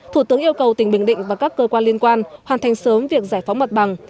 thủ tướng yêu cầu tỉnh bình định và các cơ quan liên quan hoàn thành sớm việc giải phóng mặt bằng